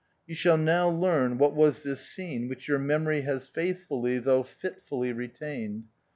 You shall now learn what was this scene which your memory has faithfully though fitfully retained.